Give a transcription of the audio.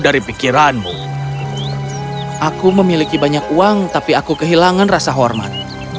aku memiliki banyak uang tapi aku kehilangan rasa hormat